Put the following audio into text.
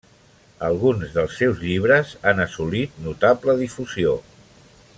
Alguns dels seus llibres han assolit notable difusió.